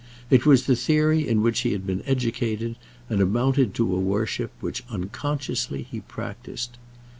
It was the theory in which he had been educated, and amounted to a worship which, unconsciously, he practised.